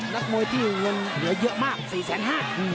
นักมวยที่เงินเหลือเยอะมาก๔๕๐๐บาท